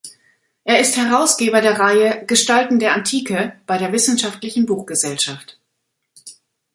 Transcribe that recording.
Er ist Herausgeber der Reihe "Gestalten der Antike" bei der Wissenschaftlichen Buchgesellschaft.